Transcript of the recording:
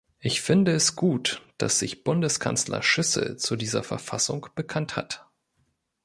Ich finde es gut, dass sich Bundeskanzler Schüssel zu dieser Verfassung bekannt hat.